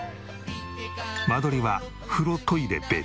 間取りは風呂トイレ別。